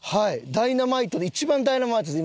ダイナマイト一番ダイナマイトです